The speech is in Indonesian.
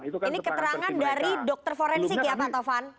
ini keterangan dari dokter forensik ya pak tovan